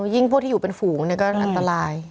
ยิ่งพวกที่อยู่เป็นฝูงเนี่ยก็อันตราย